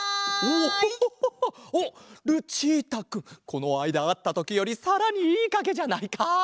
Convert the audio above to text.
このあいだあったときよりさらにいいかげじゃないか！